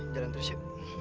jalan terus ya